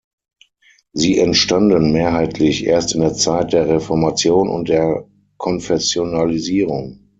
Sie entstanden mehrheitlich erst in der Zeit der Reformation und der Konfessionalisierung.